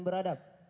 tiga keadilan beradab